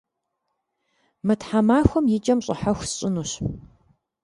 Мы тхьэмахуэм и кӏэм щӏыхьэху сщӏынущ.